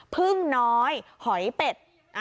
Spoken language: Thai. พึ่งน้อยหอยเป็ด